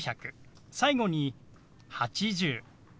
最後に「８０」。